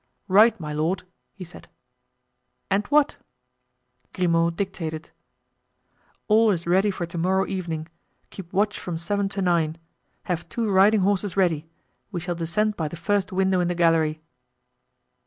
"Write, my lord," he said. "And what?" Grimaud dictated. "All is ready for to morrow evening. Keep watch from seven to nine. Have two riding horses ready. We shall descend by the first window in the gallery."